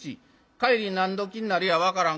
帰り何どきになるや分からん。